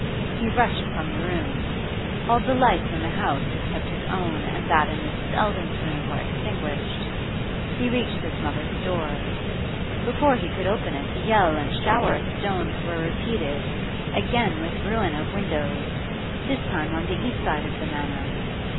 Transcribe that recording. He rushed from the room. All the lights in the house except his own and that in Mrs. Eldon's room were extinguished. He reached his mother's door. Before he could open it the yell and the shower of stones were repeated, again with ruin of windows, this time on the east side of the Manor.